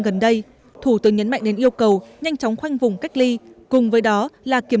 gần đây thủ tướng nhấn mạnh đến yêu cầu nhanh chóng khoanh vùng cách ly cùng với đó là kiểm